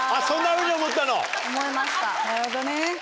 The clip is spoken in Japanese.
なるほどね。